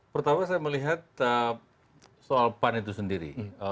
pertama saya melihat soal pan itu sendiri